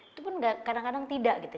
itu pun kadang kadang tidak gitu